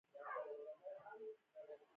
آیا قطبي خرسونه سیلانیان نه جذبوي؟